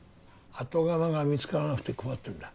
後釜が見つからなくて困ってるんだ。